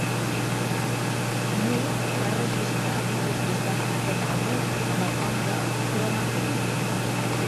Moore va registrar i publicar aquest àlbum amb el nom de "Chroma Key".